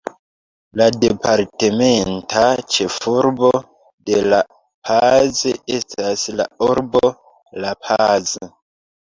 La departementa ĉefurbo de La Paz estas la urbo La Paz.